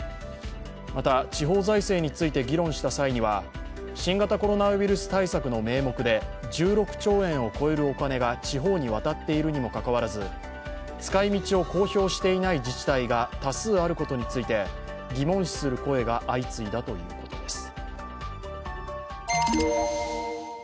また、地方財政について議論した際には、新型コロナウイルス対策の名目で１６兆円を超えるお金が地方に渡っているにもかかわらず使い道を公表していない自治体が多数あることについて疑問視する声が相次いだということです。